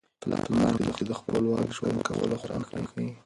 پلار موږ ته د خپلواک ژوند کولو خوند را ښيي.